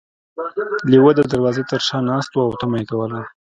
لیوه د دروازې تر شا ناست و او تمه یې کوله.